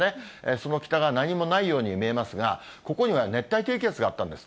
その北側、何もないように見えますが、ここには熱帯低気圧があったんです。